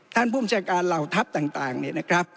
ท่านภูมิเศรษฐการเหล่าทัพต่างนี่นะครับ